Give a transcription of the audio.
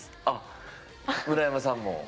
あっ村山さんも？